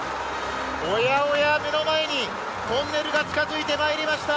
おやおや、目の前にトンネルが近づいてまいりました。